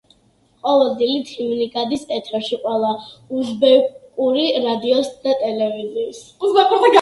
ყოველ დილით, ჰიმნი გადის ეთერში ყველა უზბეკური რადიოს და ტელევიზიის.